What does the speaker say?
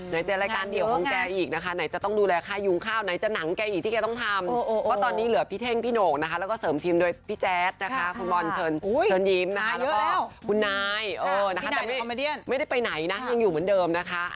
นายเยอะแล้วพี่นายคอมเมอเดียนคุณนายไม่ได้ไปไหนนะยังอยู่เหมือนเดิมนะคะ